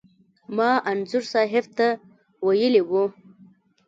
ما انځور صاحب ته ویلي و.